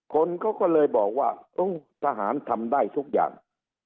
คนก็ก็เลยบอกว่าต้องสะหารทำได้ทุกอย่าง